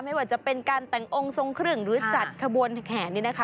ไม่ว่าจะเป็นการแต่งองค์สองครึ่งรู้จักขบวนแผงนะคะ